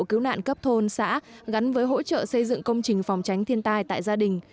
cứu nạn cấp thôn xã gắn với hỗ trợ xây dựng công trình phòng tránh thiên tai tại gia đình